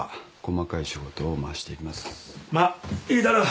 まっいいだろう。